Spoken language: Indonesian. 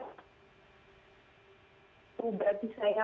itu berarti saya